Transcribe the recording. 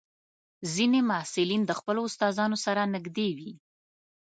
ځینې محصلین د خپلو استادانو سره نږدې وي.